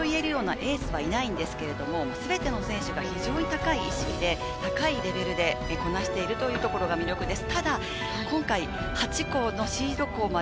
エースはいないんですが、すべての選手が非常に高い意識で高いレベルでこなしているというところが魅力です。